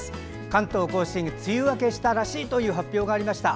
関東・甲信梅雨明けしたらしいという発表がありました。